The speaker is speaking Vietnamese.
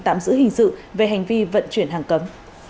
tạm giữ hình sự về hành vi vận chuyển hàng cấm